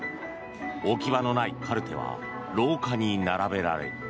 置き場のないカルテは廊下に並べられる。